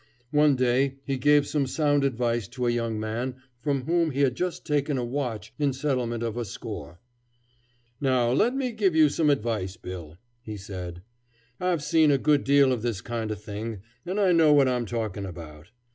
One day he gave some sound advice to a young man from whom he had just taken a watch in settlement of a score. "Now let me give you some advice, Bill," he said. "I've seen a good deal of this kind of thing, and I know what I'm talking about.